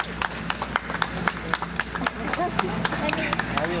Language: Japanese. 大丈夫？